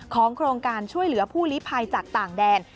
โครงการช่วยเหลือผู้ลิภัยจากต่างแดน